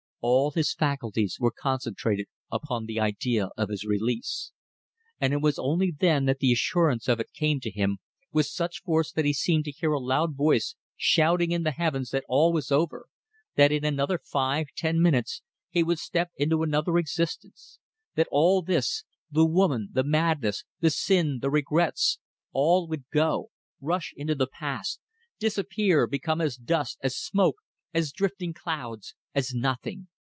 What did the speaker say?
All his faculties were concentrated upon the idea of his release. And it was only then that the assurance of it came to him with such force that he seemed to hear a loud voice shouting in the heavens that all was over, that in another five, ten minutes, he would step into another existence; that all this, the woman, the madness, the sin, the regrets, all would go, rush into the past, disappear, become as dust, as smoke, as drifting clouds as nothing!